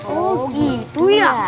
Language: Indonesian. oh gitu ya